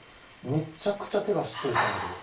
めっちゃくちゃ手がしっとりしたんだけど。